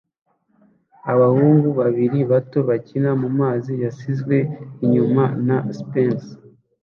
Abahungu babiri bato bakina mumazi yasizwe inyuma na spinkers